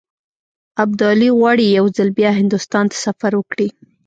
ابدالي غواړي یو ځل بیا هندوستان ته سفر وکړي.